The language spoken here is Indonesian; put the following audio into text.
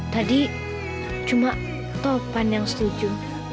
tadi cuma topan yang setuju